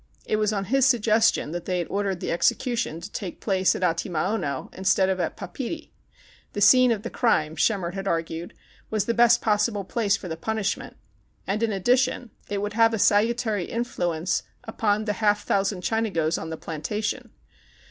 It was on his sug gestion that they had ordered the execution to take place at Atimaono instead of at Papeete. The scene of the crime, Schemmer had argued, was the best possible place for the punishment, and, in addition, it would have a salutary in fluence upon the half thousand Chinagos on the plantation.